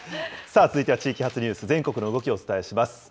さあ、続いては地域発ニュース、全国の動きをお伝えします。